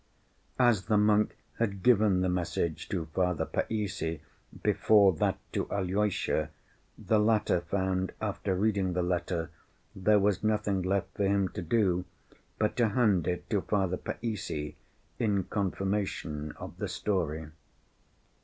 As the monk had given the message to Father Païssy before that to Alyosha, the latter found after reading the letter, there was nothing left for him to do but to hand it to Father Païssy in confirmation of the story.